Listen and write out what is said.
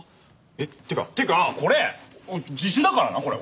えっ？ってかってかこれ自首だからなこれ。